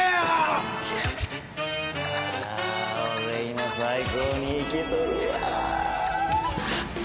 今最高に生きとるわ。